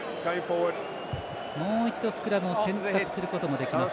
もう一度、スクラムを選択することができます。